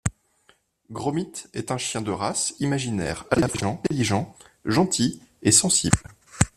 Gromit est un chien de race imaginaire à la fois intelligent, gentil et sensible.